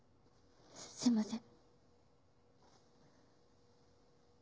すいません。